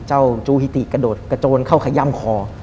จูฮิติกระโดดกระโจนเข้าขย่ำคอ